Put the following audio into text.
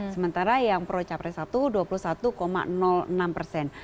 sementara yang pro capres satu dua puluh satu enam persen